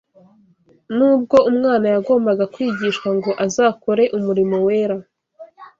Nubwo umwana yagombaga kwigishwa ngo azakore umurimo wera